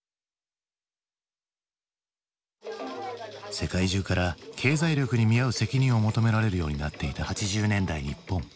世界中から経済力に見合う責任を求められるようになっていた８０年代日本。